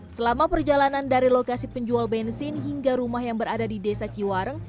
selama perjalanan dari lokasi penjual bensin hingga rumah yang berada di desa ciwareng